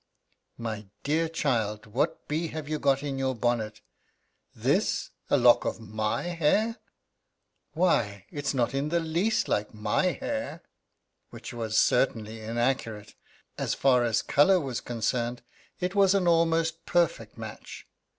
"My dear child, what bee have you got in your bonnet? This a lock of my hair! Why, it's not in the least like my hair!" Which was certainly inaccurate. As far as color was concerned it was an almost perfect match.